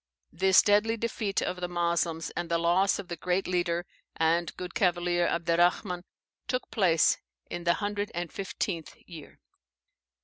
This deadly defeat of the Moslems, and the loss of the great leader and good cavalier Abderrahman, took place in the hundred and fifteenth year.